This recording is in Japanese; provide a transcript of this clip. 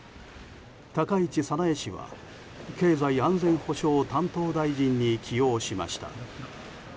高市早苗氏は経済安全保障担当大臣に起用しました。